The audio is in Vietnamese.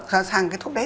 rằng cái thuốc đấy